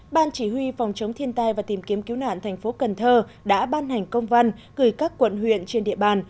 ban chỉ huy phòng chống thiên tai và tìm kiếm cứu nạn thành phố cần thơ đã ban hành công văn gửi các quận huyện trên địa bàn